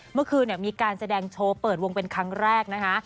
เมื่อคืนมีการแสดงโชว์เปิดวงเป็นครั้งแรกนะคะ